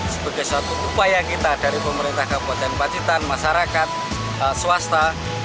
sebagai satu upaya kita dari pemerintah kabupaten pacitan masyarakat swasta